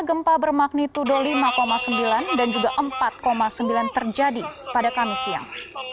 gempa bermagnitudo lima sembilan dan juga empat sembilan terjadi pada kamis siang